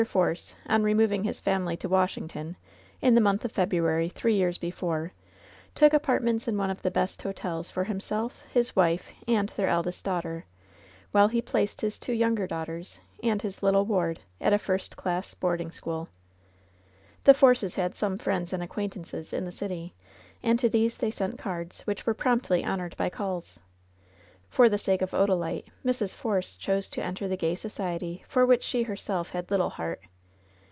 Force, on removing his family to Washington, in the month of February three years before, took apart Tnents in one of the best hotels for himself, his wife, and their eldest daughter, while he placed his two younger daughters and his little ward at a first class boarding school. The Forces had some friends and acquaintances in the city, and to these they sent cards, which were promptly honored by calls. For the sake of Odalite, Mrs. Force chose to enter the gay society for which she herself had little heart.